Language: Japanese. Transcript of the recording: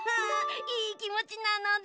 いいきもちなのだ！